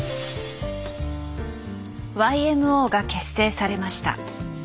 ＹＭＯが結成されました。